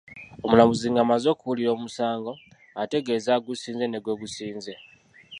Omulamuzi ng'amaze okuwulira omusango, ategeeza agusinze ne gwe gusinze.